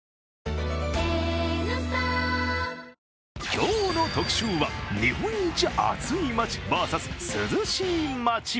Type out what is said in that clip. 今日の特集は日本一暑い街ｖｓ涼しい街。